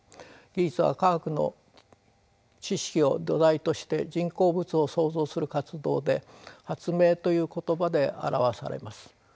技術は科学の知識を土台として人工物を創造する活動で発明という言葉で表されます。